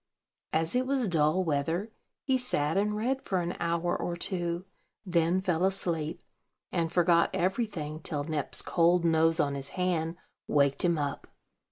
As it was dull weather, he sat and read for an hour or two; then fell asleep, and forgot everything till Nep's cold nose on his hand waked him up.